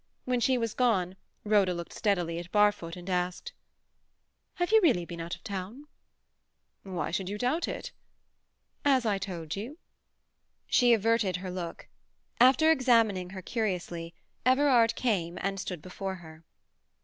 When she was gone, Rhoda looked steadily at Barfoot, and asked— "Have you really been out of town?" "Why should you doubt it?" "You left this morning, and have only just returned?" "As I told you." She averted her look. After examining her curiously, Everard came and stood before her.